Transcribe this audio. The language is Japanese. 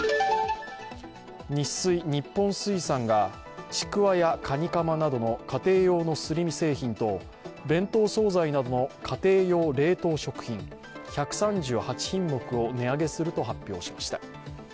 ニッスイ＝日本水産がちくわやカニカマなどの家庭用のすり身製品と弁当総菜などの家庭用冷凍食品、１３８品目を値上げすると発表しました。